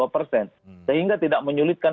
dua persen sehingga tidak menyulitkan